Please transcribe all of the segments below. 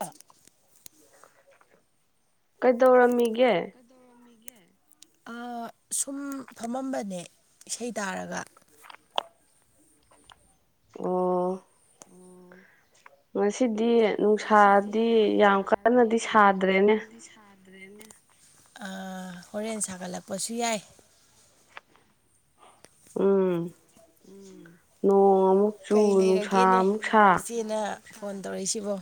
ꯍꯞ ꯀꯩꯗꯧꯔꯝꯃꯤꯒꯦ ꯀꯗꯧꯔꯝꯃꯤꯒꯤ ꯁꯨꯝ ꯐꯝꯃꯝꯕꯅꯦ ꯏꯁꯩ ꯇꯥꯔꯒ ꯑꯣ ꯃꯁꯤꯁꯤꯗꯤ ꯉꯁꯤꯗꯤ ꯅꯨꯡꯁꯥꯗꯤ ꯌꯥꯝ ꯀꯟꯅꯗꯤ ꯁꯥ ꯑꯥ ꯍꯣꯔꯦꯟ ꯁꯥꯒꯠꯂꯛꯄꯁꯨ ꯌꯥꯏ ꯎꯝ ꯅꯣꯡ ꯑꯃꯨꯛ ꯆꯨ ꯅꯨꯡꯁꯥ ꯑꯃꯨꯛ ꯁꯥ ꯐꯣꯟ ꯇꯧꯔꯛꯏꯁꯤꯕꯣ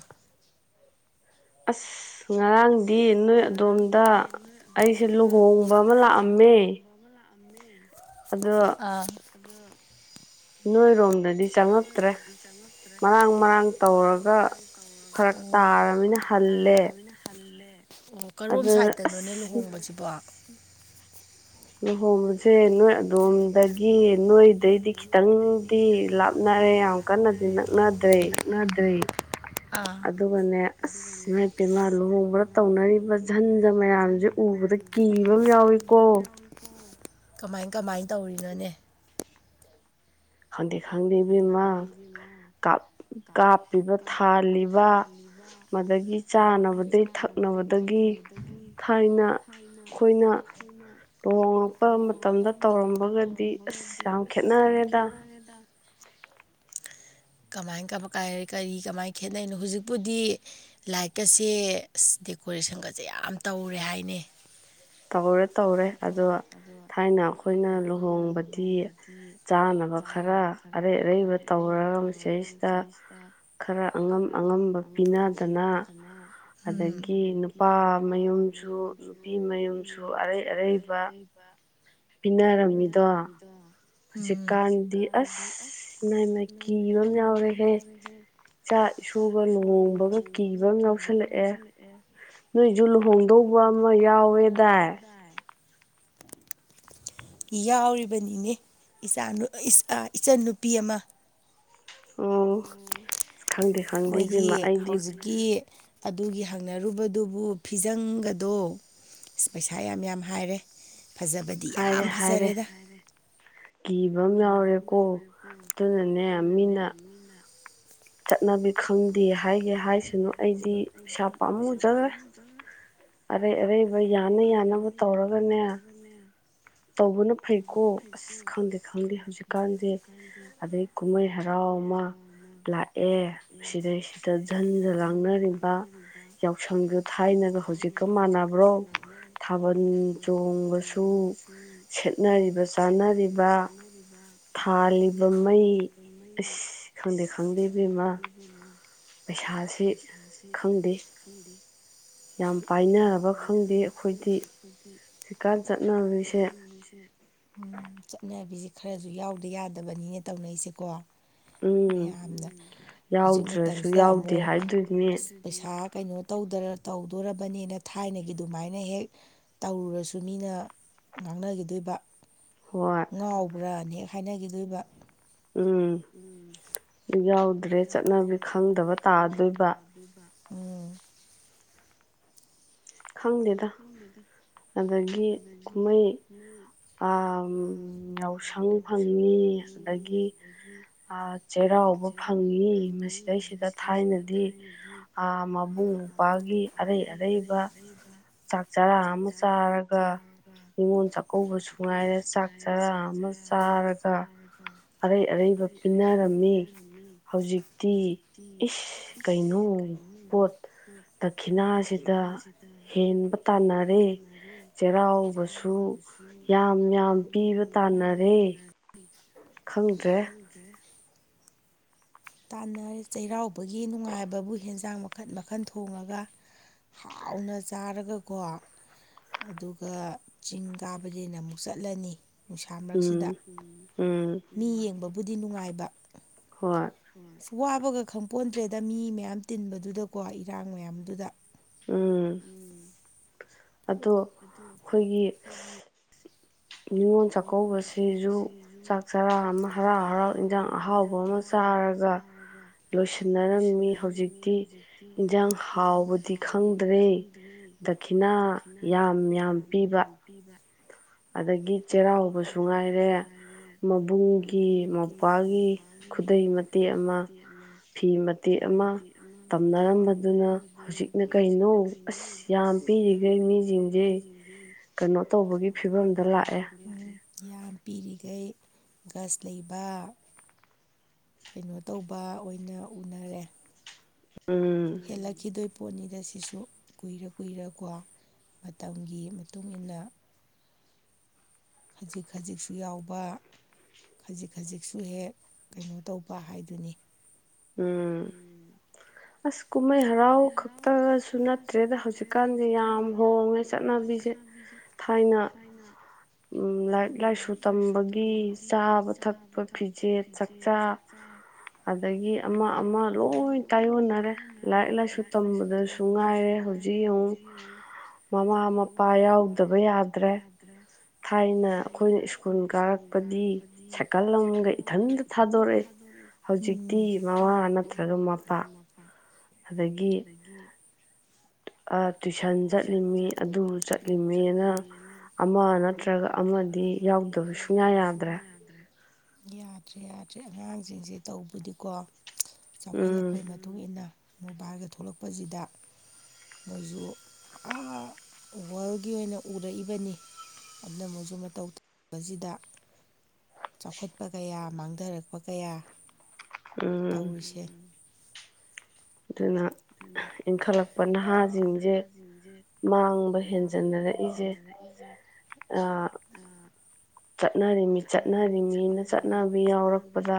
ꯑꯁ ꯉꯔꯥꯡꯗꯤ ꯅꯣꯏ ꯑꯗꯣꯝꯗ ꯑꯩꯁꯦ ꯂꯨꯍꯣꯡꯕ ꯑꯃ ꯂꯥꯛꯑꯝꯃꯦ ꯑꯃꯃꯦ ꯑ ꯅꯣꯏ ꯔꯣꯝꯗ ꯅꯣꯏꯔꯣꯝꯗꯤ ꯆꯪꯉꯛꯇ꯭ꯔꯦ ꯃꯔꯥꯡ ꯃꯔꯥꯡ ꯇꯧꯔꯒ ꯈꯔ ꯇꯥꯔꯅꯤꯅ ꯍꯜꯂꯦ ꯑꯣ ꯀꯔꯣꯝ ꯁꯥꯏꯗꯠꯇꯅꯣꯅꯦ ꯂꯨꯍꯣꯡꯕꯁꯤꯕꯣ ꯎꯝ ꯊꯣꯡꯕꯁꯦ ꯅꯣꯏ ꯑꯗꯣꯝꯗꯒꯤ ꯅꯣꯏꯗꯩꯗꯤ ꯈꯤꯇꯪꯗꯤ ꯂꯥꯞꯅꯔꯦ ꯌꯥꯝ ꯀꯟꯅꯗꯤ ꯅꯛꯅꯗ꯭ꯔꯦ ꯑꯗꯨꯒꯅꯦ ꯑꯁ ꯏꯃ ꯏꯄꯦ ꯏꯃꯥ ꯂꯨꯍꯣꯡꯕꯗ ꯇꯧꯅꯔꯤꯕ ꯖꯟꯖꯟ ꯃꯌꯥꯝꯁꯦ ꯎꯕꯗ ꯀꯤꯕ ꯌꯥꯎꯏꯤꯀꯣ ꯀꯃꯥꯏ ꯀꯃꯥꯏ ꯇꯧꯔꯤꯅꯣꯅꯦ ꯈꯪꯗ ꯈꯪꯗꯕꯤꯃ ꯀꯥꯞꯄꯤꯕ ꯊꯥꯜꯂꯤꯕ ꯃꯗꯒꯤ ꯆꯥꯅꯕꯗꯒꯤꯩ ꯊꯛꯅꯕꯗꯒꯤ ꯊꯥꯏꯅ ꯑꯩꯈꯣꯏꯅ ꯂꯨꯍꯣꯡꯂꯛꯄ ꯃꯇꯝꯗ ꯇꯧꯔꯝꯕꯒꯗꯤ ꯑꯁ ꯌꯥꯝ ꯈꯦꯠꯅꯔꯦꯗ ꯀꯃꯥꯏ ꯀ ꯀꯥꯏ ꯀꯔꯤ ꯀꯃꯥꯏꯅ ꯈꯦꯠꯅꯩꯅꯣ ꯍꯧꯖꯤꯛꯄꯨꯗꯤ ꯂꯥꯏꯠꯀꯁꯦ ꯗꯦꯀꯣꯔꯦꯁꯟꯒꯁꯦ ꯌꯥꯝ ꯇꯧꯔꯦ ꯍꯥꯏꯅꯤ ꯇꯧꯔꯦ ꯇꯧꯔꯦ ꯑꯗꯣ ꯊꯥꯏꯅ ꯑꯩꯈꯣꯏꯅ ꯂꯨꯍꯣꯡꯕꯗꯤ ꯆꯥꯅꯕ ꯈꯔ ꯑꯔꯩ ꯑꯔꯩꯕ ꯇꯧꯔꯒ ꯆꯍꯤꯁꯤꯗ ꯈꯔ ꯑꯉꯝ ꯑꯉꯝꯕ ꯄꯤꯅꯗꯅ ꯑꯗꯒꯤ ꯅꯨꯄꯥ ꯃꯌꯨꯝꯁꯨ ꯅꯨꯄꯤ ꯃꯌꯨꯝ ꯨ ꯑꯔꯩ ꯑꯔꯩꯕ ꯄꯤꯅꯔꯝꯃꯤꯗꯣ ꯍꯧꯖꯤꯛꯀꯥꯟꯗꯤ ꯑꯁ ꯃꯩꯪꯪ ꯃꯩ ꯀꯤꯕ ꯌꯥꯎꯔꯦꯍꯦ ꯏꯆꯥ ꯏꯁꯨꯒ ꯂꯨꯍꯣꯡꯕꯒ ꯀꯤꯕ ꯌꯥꯎꯁꯜꯂꯛꯑꯦ ꯅꯣꯏꯁꯨ ꯂꯨꯍꯣꯡꯗꯧꯕ ꯑꯃ ꯌꯥꯎꯋꯦ ꯗꯥꯏ ꯌꯥꯎꯔꯤꯕꯅꯤꯅꯦ ꯏꯆꯥꯅꯨ ꯏꯁ ꯑꯥ ꯏꯆꯟꯅꯨꯄꯤ ꯑꯃ ꯃꯣꯏꯒꯤ ꯍꯧꯖꯤꯛꯀꯤ ꯑꯗꯨꯒꯤ ꯍꯪꯅꯔꯨꯕꯗꯨꯕꯨ ꯐꯤꯖꯪꯒꯗꯣ ꯄꯩꯁꯥ ꯌꯥꯝ ꯌꯥꯝ ꯍꯥꯏꯔꯦ ꯐꯖꯕꯗꯤ ꯌꯥꯝ ꯐꯖꯔꯦꯗ ꯀꯤꯕ ꯑꯃ ꯌꯥꯎꯔꯦꯀꯣ ꯑꯗꯨꯅꯅꯦ ꯃꯤꯅ ꯆꯠꯅꯕꯤ ꯈꯪꯗꯦ ꯍꯥꯏꯒꯦ ꯍꯥꯏꯁꯅꯨ ꯑꯩꯗꯤ ꯄꯩꯁꯥ ꯄꯥꯝꯃꯨꯖꯈ꯭ꯔꯦ ꯑꯔꯩ ꯑꯔꯩꯕ ꯌꯥꯅ ꯌꯥꯅꯕ ꯇꯧꯔꯒꯅꯦ ꯇꯧꯕꯅ ꯐꯩꯀꯣ ꯑꯁ ꯈꯪꯗꯦ ꯈꯪꯗꯦ ꯍꯧꯖꯤꯛꯀꯥꯟꯖꯦ ꯑꯗꯩ ꯀꯨꯝꯍꯩ ꯍꯔꯥꯎ ꯑꯃ ꯂꯥꯛꯑꯦ ꯁꯤꯗꯩꯁꯤꯗ ꯖꯟ ꯖ ꯂꯥꯡꯅꯔꯤꯕ ꯌꯥꯎꯁꯪꯗ ꯊꯥꯏꯅꯒ ꯍꯧꯖꯤꯛꯀ ꯃꯥꯟꯅꯕ꯭ꯔꯣ ꯊꯥꯕꯜ ꯆꯣꯡꯕꯁꯨ ꯁꯦꯠꯅꯔꯤꯕ ꯆꯥꯅꯔꯤꯕ ꯊꯥꯜꯂꯤꯕ ꯃꯩ ꯑꯁ ꯈꯪꯗꯦ ꯈꯪꯗꯦ ꯈꯪꯗꯦ ꯏꯕꯦꯝꯃꯥ ꯄꯩꯁꯥꯁꯤ ꯈꯪꯗꯦ ꯌꯥꯝ ꯄꯥꯏꯅꯔꯕ ꯈꯪꯗꯦ ꯑꯩꯈꯣꯏꯗꯤ ꯁꯤ ꯈꯔ ꯆꯠꯅꯕꯤꯁꯦ ꯎꯝ ꯆꯠꯅꯕꯤ ꯈꯔꯁꯨ ꯌꯥꯎꯗ ꯌꯥꯗꯕꯅꯤꯅ ꯇꯧꯅꯔꯤꯁꯦꯀꯣ ꯃꯌꯥꯝꯅ ꯌꯥꯎꯗ꯭ꯔꯁꯨ ꯌꯥꯎꯗꯦ ꯍꯥꯏꯗꯣꯏꯅꯤ ꯀꯩꯅꯣ ꯇꯧꯗꯣ ꯇꯧꯗꯣꯔꯕꯅꯤꯅ ꯊꯥꯏꯅꯒꯤ ꯑꯗꯨꯃꯥꯏꯅ ꯍꯦꯛ ꯇꯧꯔꯨꯔꯁꯨ ꯃꯤꯅ ꯉꯥꯡꯅꯈꯤꯗꯣꯏꯕ ꯉꯥꯎꯕ꯭ꯔꯥꯅꯦ ꯍꯥꯏꯅꯒꯤꯗꯣꯏꯕ ꯎꯝ ꯌꯥꯎ ꯑꯗꯩ ꯆꯠꯅꯕꯤ ꯈꯪꯗꯕ ꯇꯥꯗꯣꯏꯕ ꯎꯝ ꯈꯪꯗꯦꯗ ꯑꯗꯒꯤ ꯀꯨꯝꯍꯩ ꯑꯥ ꯎꯝ ꯌꯥꯎꯁꯪ ꯐꯪꯉꯤ ꯑꯗꯒꯤ ꯑꯥ ꯆꯩꯔꯥꯎꯕ ꯐꯪꯉꯤ ꯃꯁꯤꯗꯩꯁꯤꯗ ꯊꯥꯏꯅꯗꯤ ꯑꯥ ꯃꯕꯨꯡ ꯃꯧ꯭ꯋꯥꯒꯤ ꯑꯔꯩ ꯑꯔꯩꯕ ꯆꯥꯛ ꯆꯔꯥ ꯑꯃ ꯆꯥꯔꯒ ꯅꯤꯉꯣꯜ ꯆꯥꯛꯀꯧꯕꯁꯨ ꯉꯥꯏꯔꯦ ꯆꯥꯛ ꯆꯔꯥ ꯑꯃ ꯆꯥꯔꯒ ꯑꯔꯩ ꯑꯔꯩꯕ ꯄꯤꯟꯅꯔꯝꯃꯤ ꯍꯧꯖꯤꯛꯇꯤ ꯏꯁ ꯀꯩꯅꯣ ꯄꯣꯠ ꯗꯈꯤꯅꯥꯁꯤꯗ ꯍꯦꯟꯕ ꯇꯥꯟꯅꯔꯦ ꯆꯩꯔꯥꯎꯕꯁꯨ ꯌꯥꯝ ꯌꯥꯝ ꯄꯤꯕ ꯇꯥꯟꯅꯔꯦ ꯈꯪꯗ꯭ꯔꯦ [inaudible] ꯇꯥꯟꯅꯔꯦ ꯆꯩꯔꯥꯎꯕꯒꯤ ꯅꯨꯡꯉꯥꯏꯕꯕꯨ ꯍꯦꯟꯖꯥꯡ ꯃꯈꯜ ꯃꯈꯜ ꯊꯣꯡꯉꯒ ꯍꯥꯎꯅ ꯆꯥꯔꯒꯀꯣ ꯑꯗꯨꯒ ꯆꯤꯡ ꯀꯥꯕꯒꯤꯅ ꯑꯃꯨꯛ ꯆꯠꯂꯅꯤ ꯅꯨꯡꯁꯥ ꯃꯔꯛꯁꯤꯗ ꯃꯤ ꯌꯦꯡꯕꯕꯨꯗꯤ ꯅꯨꯡꯉꯥꯏꯕ ꯗꯥꯛ ꯑ ꯋꯥꯕꯒ ꯈꯪ ꯄꯣꯟꯗ꯭ꯔꯦꯗ ꯃꯤ ꯃꯌꯥꯝ ꯇꯤꯟꯕꯗꯨꯗꯀꯣ ꯏꯔꯥꯡ ꯃꯌꯥꯝꯗꯨꯗ ꯎꯝ ꯑꯗꯣ ꯑꯩꯈꯣꯏꯒꯤ ꯅꯤꯉꯣꯜ ꯆꯥꯛꯀꯧꯕꯁꯤꯁꯨ ꯆꯥꯛ ꯆꯔꯥ ꯑꯃ ꯍꯔꯥꯎ ꯍꯔꯥꯎ ꯏꯟꯁꯥꯡ ꯑꯍꯥꯎꯕ ꯑꯃ ꯆꯥꯔꯒ ꯂꯣꯏꯁꯤꯟꯅꯔꯝꯃꯤ ꯍꯧꯖꯤꯛꯇꯤ ꯏꯟꯁꯥꯡ ꯍꯥꯎꯕꯗꯤ ꯈꯪꯗ꯭ꯔꯦ ꯗꯈꯤꯅꯥ ꯌꯥꯝ ꯌꯥꯝ ꯄꯤꯕ ꯑꯗꯒꯤ ꯆꯩꯔꯥꯎꯕꯁꯨ ꯉꯥꯏꯔꯦ ꯃꯕꯨꯡꯒꯤ ꯃꯧ꯭ꯄꯥꯒꯤ ꯈꯨꯗꯩ ꯃꯇꯦꯛ ꯑꯃ ꯐꯤ ꯃꯇꯦꯛ ꯑꯃ ꯇꯝꯅꯔꯝꯕꯗꯨꯅ ꯍꯧꯖꯤꯛꯅ ꯀꯩꯅꯣ ꯑꯁ ꯌꯥꯝ ꯄꯤꯔꯤꯈꯩ ꯃꯤꯁꯤꯡꯁꯦ ꯀꯩꯅꯣ ꯇꯧꯕꯒꯤ ꯕꯝꯗ ꯐꯤꯕꯝ ꯗ ꯂꯥꯛ ꯑꯦ ꯌꯥꯝ ꯄꯤꯔꯤꯒꯩ ꯒꯁ ꯂꯩꯕ ꯀꯩꯅꯣ ꯇꯧꯕ ꯑꯣꯏꯅ ꯎꯅꯔꯦ ꯍꯦꯜꯂꯈꯤꯗꯣꯏ ꯄꯣꯠꯅꯤꯗ ꯁꯤꯁꯨ ꯀꯨꯏꯔ ꯀꯨꯏꯔ ꯀꯣ ꯃꯇꯝꯒꯤ ꯃꯇꯨꯡ ꯏꯟꯅ ꯈꯖꯤꯛ ꯈꯖꯤꯛꯁꯨ ꯌꯥꯎꯕ ꯈꯖꯤꯛ ꯈꯖꯤꯛꯁꯨ ꯍꯦꯛ ꯀꯩꯅꯣ ꯇꯧꯕ ꯍꯥꯏꯗꯨꯅꯤ ꯎꯝ ꯑꯁ ꯀꯨꯝꯍꯩ ꯍꯔꯥꯎ ꯈꯛꯇꯁꯨ ꯅꯠꯇ꯭ꯔꯦꯗ ꯍꯧꯖꯤꯛꯀꯥꯟꯗꯤꯦ ꯌꯥꯝ ꯍꯣꯡꯉꯦ ꯆꯠꯅꯕꯤꯁꯦ ꯊꯥꯏꯅ ꯂꯥꯏꯔꯤꯛ ꯂꯥꯏꯁꯨ ꯇꯝꯕꯒꯤ ꯆꯥꯕ ꯊꯛꯄ ꯐꯤꯖꯦꯠ ꯆꯛꯆꯥ ꯑꯗꯒꯤ ꯑꯃꯥ ꯑꯃꯥ ꯂꯣꯏ ꯇꯥꯏꯌꯣꯟꯅꯔꯦ ꯂꯥꯏꯔꯤꯛ ꯂꯥꯏꯁꯨ ꯇꯝꯕꯗꯁꯨ ꯉꯥꯏꯔꯦ ꯍꯧꯖꯤꯛ ꯑꯃꯨꯛ ꯃꯃꯥ ꯃꯄꯥ ꯌꯥꯎꯗꯕ ꯌꯥꯗ꯭ꯔꯦꯥꯏ ꯊꯥꯏꯅ ꯑꯩꯈꯣꯏꯅ ꯁ꯭ꯀꯨꯜ ꯀꯥꯔꯛꯄꯗꯤ ꯁꯥꯏꯀꯜ ꯑꯃꯒ ꯏꯊꯟꯗ ꯊꯥꯗꯣꯔꯛꯑꯦ ꯍꯧꯖꯤ ꯋꯥ ꯑꯅ ꯇꯔꯒ ꯃꯥꯄꯥ ꯑꯗꯒꯤ ꯌꯥꯗ꯭ꯔꯦ ꯌꯥꯗ꯭ꯔꯦ ꯑꯉꯥꯡꯁꯤꯡꯁꯦ ꯇꯧꯕꯗꯤꯀꯣ ꯆꯥꯎꯈꯠꯂꯛꯄꯒꯤ ꯃꯇꯨꯡ ꯃꯇꯨꯡꯏꯟꯅ ꯃꯣꯕꯥꯏꯜꯒ ꯊꯣꯛꯂꯛꯄꯁꯤꯗ ꯃꯣꯏꯁꯨ ꯋꯥꯔꯜꯒꯤ ꯑꯣꯏꯅ ꯎꯔꯛꯏꯕꯅꯤ ꯑꯗꯨꯅ ꯃꯣꯏꯁꯨ ꯃꯇꯧ ꯇꯧꯁꯤꯗ ꯆꯥꯎꯈꯠꯄ ꯀꯌꯥ ꯃꯥꯡꯊꯔꯛꯄ ꯀꯌꯥ ꯇꯧꯔꯤꯁꯦ ꯑꯗꯨꯅ ꯏꯟꯈꯠꯂꯛꯄ ꯅꯍꯥꯁꯤꯡꯁꯦ ꯃꯥꯡꯕ ꯍꯦꯟꯖꯟꯅꯔꯛꯏꯁꯦ ꯆꯠꯅꯔꯤꯃꯤ ꯆꯠꯅꯔꯤꯃꯤꯅ ꯆꯠꯅꯕꯤ ꯌꯥꯎꯔꯛꯄꯗ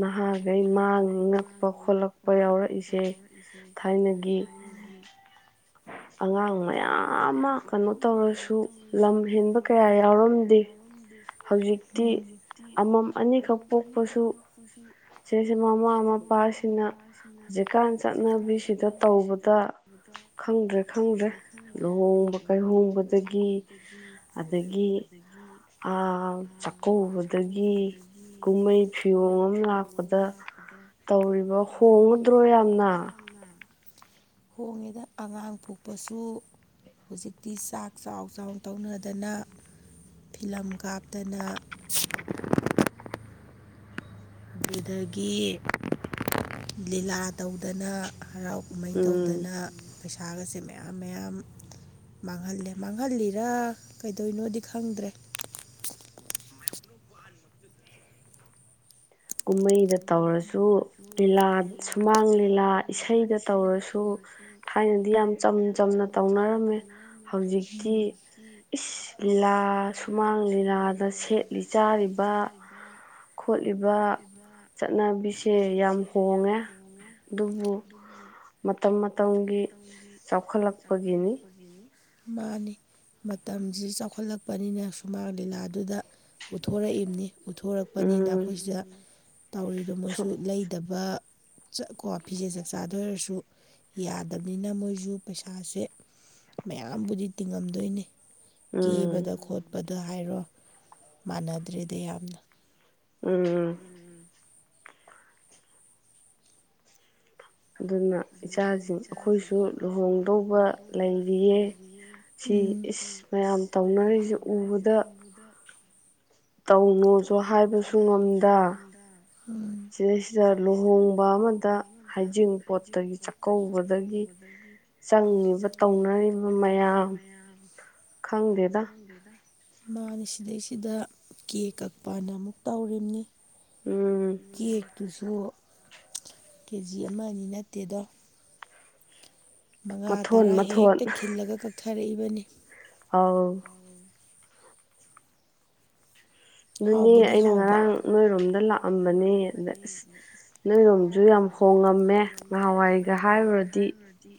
ꯅꯍꯥꯈꯩ ꯃꯥꯡꯉꯛꯄ ꯈꯣꯠꯂꯛꯄ ꯌꯥꯎꯔꯛꯏꯖꯦ ꯊꯥꯏꯅꯒꯤ ꯑꯉꯥꯡ ꯃꯌꯥꯝ ꯑꯃ ꯀꯩꯅꯣ ꯇꯧꯔꯁꯨ ꯂꯝ ꯍꯦꯟꯕ ꯀꯌꯥ ꯌꯥꯎꯔꯝꯗꯦ ꯍꯧꯖꯤꯛꯇꯤ ꯑꯃꯝ ꯑꯅꯤꯈꯛ ꯄꯣꯛꯄꯁꯨ ꯁꯤꯁꯦ ꯃꯃꯥ ꯃꯄꯥꯁꯤꯅ ꯍꯧꯖꯤꯀꯥꯟ ꯆꯠꯅꯕꯤꯁꯤꯗ ꯇꯧꯕꯗ ꯈꯪꯗ꯭ꯔꯦ ꯈꯪꯗ꯭ꯔꯦ ꯂꯨꯍꯣꯡꯕ ꯀꯥꯏꯍꯣꯡꯕꯗꯒꯤ ꯑꯗꯒꯤ ꯆꯥꯛꯀꯧꯕꯗꯒꯤ ꯀꯨꯝꯍꯩ ꯐꯤꯌꯣꯡ ꯑꯃ ꯂꯥꯛꯄꯗ ꯇꯧꯔꯤꯕ ꯍꯣꯡꯉꯨꯗ꯭ꯔꯣ ꯌꯥꯝꯅ ꯍꯣꯡꯉꯦꯗ ꯑꯉꯥꯡ ꯄꯣꯛꯄꯁꯨ ꯍꯧꯖꯤꯛꯇꯤ ꯆꯥꯛ ꯆꯥꯎ ꯆꯥꯎꯅ ꯇꯧꯅꯗꯅ ꯐꯤꯂꯝ ꯀꯥꯞ ꯗꯅ ꯑꯗꯨꯗꯒꯤ ꯂꯤꯂꯥ ꯇꯧꯗꯅ ꯍꯔꯥꯎ ꯀꯃꯥꯏꯅ ꯇꯧꯗꯅ ꯄꯩꯁꯥꯒꯁꯦ ꯃꯌꯥꯝ ꯃꯌꯥꯝ ꯃꯥꯡꯍꯜꯂꯦ ꯃꯥꯡꯍꯜꯂꯤꯔ ꯀꯩꯗꯣꯏꯅꯣꯗꯤ ꯈꯪꯗ꯭ꯔꯦ ꯀꯨꯝꯍꯩꯗ ꯇꯧꯔꯁꯨ ꯂꯤꯂꯥ ꯁꯨꯃꯥꯡ ꯂꯤꯂꯥ ꯏꯁꯩꯗ ꯇꯧꯔꯁꯨ ꯊꯥꯏꯅꯗꯤ ꯌꯥꯝ ꯆꯝ ꯆꯝꯅ ꯇꯧꯅꯔꯝꯃꯦ ꯍꯧꯖꯤꯛꯇꯤ ꯏꯁ ꯂꯤꯂꯥ ꯁꯨꯃꯥꯡ ꯂꯤꯂꯥꯗ ꯁꯦꯠꯂꯤ ꯆꯥꯔꯤꯕ ꯈꯣꯠꯂꯤꯕ ꯆꯠꯅꯕꯤꯁꯦ ꯌꯥꯝ ꯍꯣꯡꯉꯦ ꯑꯗꯨꯕꯨ ꯃꯇꯝ ꯃꯇꯝꯒꯤ ꯆꯥꯎꯈꯠꯂꯛꯄꯒꯤꯅꯤ ꯃꯥꯅꯤ ꯃꯇꯝꯁꯤ ꯆꯥꯎꯈꯠꯂꯛꯄꯅꯤꯅ ꯁꯨꯃꯥꯡ ꯂꯤꯂꯥꯗꯨꯗ ꯎꯠꯊꯣꯔꯛꯏꯕꯅꯤ ꯎꯠꯊꯣꯔꯛꯄꯅꯤꯅ ꯑꯩꯈꯣꯏ ꯁꯤꯗ ꯇꯧꯔꯤꯗꯣ ꯃꯣꯏꯁꯨ ꯂꯩꯗꯕ ꯆꯠ ꯀꯣ ꯐꯤꯖꯦ ꯆꯥꯛꯆꯥꯥꯗ ꯑꯣꯏꯔꯁꯨ ꯁꯨ ꯌꯥꯗꯕꯅꯤꯅ ꯃꯣꯏꯁꯨ ꯄꯩꯁꯥꯁꯦ ꯃꯌꯥꯝꯕꯨꯗꯤ ꯇꯤꯡꯉꯝꯗꯣꯏꯅꯤ ꯀꯕ ꯈꯣꯠꯄ ꯑꯗꯨ ꯍꯥꯏꯔꯣ ꯃꯥꯟꯅꯗ꯭ꯔꯦꯗ ꯌꯥꯝꯅ ꯎꯝ ꯑꯗꯨꯅ ꯏꯆꯥꯁꯤꯡ ꯑꯩꯈꯣꯏꯁꯨ ꯂꯨꯍꯣꯡꯗꯧꯕ ꯂꯩꯔꯤꯌꯦ ꯁꯤ ꯏꯁ ꯃꯌꯥꯝ ꯇꯧꯅꯔꯤꯁꯦ ꯎꯕꯗ ꯇꯧꯅꯨꯁꯨ ꯍꯥꯏꯕꯁꯨ ꯉꯝꯗ ꯁꯤꯗꯩꯁꯤꯗ ꯂꯨꯍꯣꯡꯕ ꯑꯃꯗ ꯍꯩꯖꯤꯡꯄꯣꯠꯇꯒꯤ ꯆꯥꯛꯀꯧꯕꯗꯒꯤ ꯆꯪꯉꯤꯕ ꯇꯧꯅꯔꯤꯕ ꯃꯌꯥꯝ ꯈꯪꯗꯦꯗ ꯁꯤꯗ ꯀꯦ ꯇꯀꯛꯄꯅ ꯑꯃꯨꯛ ꯇꯧꯔꯤꯕꯝꯅꯤ ꯀꯦꯛꯇꯨꯁꯨ ꯀꯦꯖꯤ ꯑꯃ ꯑꯅꯤ ꯅꯠꯇꯦꯗꯣ ꯃꯉꯥ ꯇꯔꯥ ꯍꯦꯛꯇ ꯈꯤꯜꯂꯒ ꯀꯛꯊ ꯐꯔꯛꯏꯕꯅꯤ ꯑꯥꯎ ꯑꯗꯨꯅꯦ ꯑꯩꯅ ꯉꯔꯥꯡ ꯅꯣꯏꯔꯣꯝꯗ ꯂꯥꯛ ꯑꯝꯕꯅꯤ ꯑꯗ ꯑꯁ ꯅꯣꯏꯔꯣꯝꯁꯨ ꯌꯥꯝ ꯍꯣꯡꯉꯝꯃꯦ ꯅꯍꯥꯟꯋꯥꯏꯒ ꯑꯗ ꯍꯥꯏꯨꯔꯗꯤ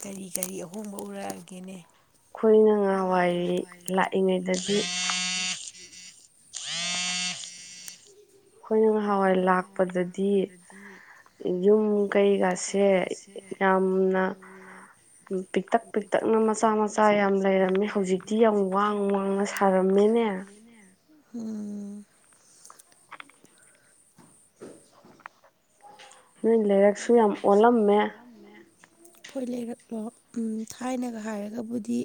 ꯀꯔꯤ ꯀꯔꯤ ꯑꯍꯣꯡꯕ ꯎꯔꯛꯑꯒꯦꯅꯦ ꯑꯩꯈꯣꯏꯅ ꯉꯍꯥꯟꯋꯥꯏꯔꯤ ꯂꯥꯛꯏꯉꯩꯗꯗꯤ ꯑꯩꯈꯣꯏꯅ ꯅꯍꯥꯟꯋꯥꯏ ꯂꯥꯛꯄꯗꯗꯤ ꯌꯨꯝ ꯀꯩꯒꯥꯁꯦ ꯌꯥꯝꯅ ꯄꯤꯛꯇꯛ ꯄꯤꯛꯇꯛꯅ ꯃꯆꯥ ꯃꯆꯥ ꯌꯥꯝ ꯂꯩꯔꯝꯃꯦ ꯍꯧꯖꯤꯛꯇꯤ ꯌꯥꯝ ꯋꯥꯡ ꯋꯥꯡꯅ ꯁꯥꯔꯝꯃꯦꯅꯦ ꯎꯝ ꯅꯣꯏ ꯂꯥꯏꯔꯤꯛꯁꯨ ꯌꯥꯝ ꯑꯣꯜꯂꯝꯃꯦ ꯍꯣꯏ ꯂꯩꯔꯛꯂꯣ ꯊꯥꯏꯅꯒ ꯍꯥꯏꯔꯒꯕꯨꯗꯤ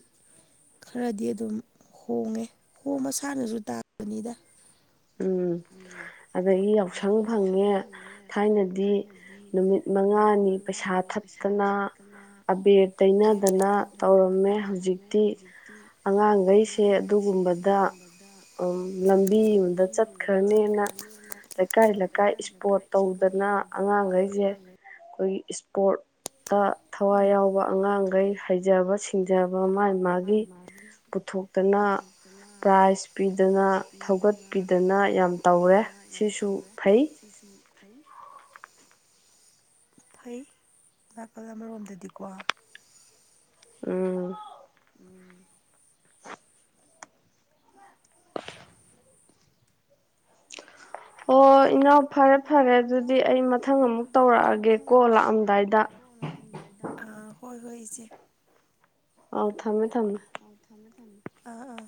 ꯈꯔꯗꯤ ꯑꯗꯨꯝ ꯍꯣꯡꯉꯦ ꯍꯣꯡ ꯃꯁꯥꯅꯁꯨ ꯇꯥꯕꯅꯤꯗ ꯎꯝ ꯑꯗꯒꯤ ꯌꯥꯎꯁꯪ ꯐꯪꯉꯦ ꯊꯥꯏꯅꯗꯤ ꯅꯨꯃꯤꯠ ꯃꯉꯥꯅꯤ ꯄꯩꯁꯥ ꯊꯠꯇꯅ ꯑꯕꯦꯔ ꯇꯩꯅꯗꯅ ꯇꯧꯔꯝꯃꯦ ꯍꯧꯖꯤꯛꯇꯤ ꯑꯉꯥꯡꯈꯩꯁꯦ ꯑꯗꯨꯒꯨꯝꯕꯗ ꯂꯝꯕꯤꯗ ꯆꯠꯈ꯭ꯔꯅꯦꯅ ꯂꯩꯀꯥꯏ ꯂꯩꯀꯥꯏ ꯏꯁꯄꯣꯔꯠ ꯇꯧꯗꯅ ꯑꯉꯥꯡꯈꯩꯁꯦ ꯑꯩꯈꯣꯏꯒꯤ ꯏꯁꯄꯣꯔꯠꯇ ꯊꯋꯥꯏ ꯌꯥꯎꯕ ꯑꯉꯥꯡꯈꯩ ꯍꯩꯖꯕ ꯁꯤꯡꯖꯕ ꯑꯗꯨꯒ ꯃꯥꯒꯤ ꯃꯥꯒꯤ ꯄꯨꯊꯣꯛꯇꯅ ꯄ꯭ꯔꯥꯏꯖ ꯄꯤꯗꯅ ꯊꯧꯒꯠ ꯄꯤꯗꯅ ꯌꯥꯝ ꯇꯧꯔꯦ ꯁꯤꯁꯨ ꯐꯩ ꯐꯩ ꯅꯥꯀꯜ ꯑꯃꯔꯣꯝꯗꯗꯤꯀꯣ ꯎꯝ ꯑꯣ ꯏꯩꯅ ꯑꯣ ꯏꯅꯥꯎ ꯐꯔꯦ ꯐꯔꯦ ꯑꯗꯨꯗꯤ ꯑꯩ ꯃꯊꯪ ꯑꯃꯨꯛ ꯇꯧꯔꯛꯑꯒꯦ ꯀꯣ ꯂꯥꯛꯑꯝꯗꯥꯏꯗ ꯍꯣꯏ ꯍꯣꯏ ꯏꯆꯦ ꯑꯣ ꯊꯃꯦ ꯃꯊꯪ ꯑꯥ ꯑꯥ